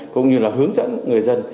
cũng như là hướng dẫn người dân